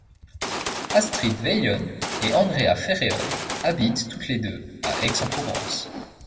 Astrid Veillon et Andréa Ferréol habitent toutes les deux à Aix-en-Provence.